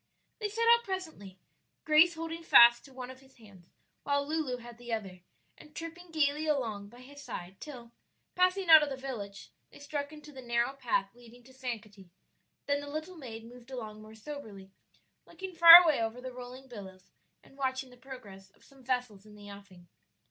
They set out presently, Grace holding fast to one of his hands while Lulu had the other, and tripping gayly along by his side till, passing out of the village, they struck into the narrow path leading to Sankaty; then the little maid moved along more soberly, looking far away over the rolling billows and watching the progress of some vessels in the offing.